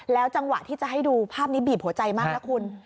จังหวะที่จะให้ดูภาพนี้บีบหัวใจมากนะคุณ